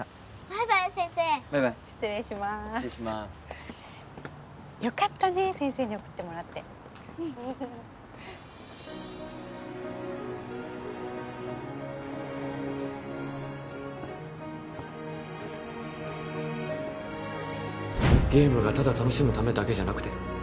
バイバイ失礼しまーす失礼しますよかったね先生に送ってもらってゲームがただ楽しむためだけじゃなくて